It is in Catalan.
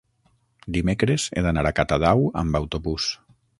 Dimecres he d'anar a Catadau amb autobús.